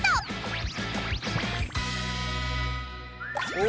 お！